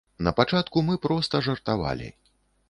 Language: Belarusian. На пачатку мы проста жартавалі.